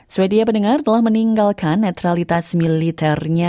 sweden pendengar telah meninggalkan netralitas militernya